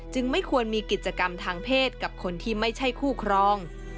ไม่ควรมีกิจกรรมทางเพศกับคนที่ไม่ใช่คู่ครอง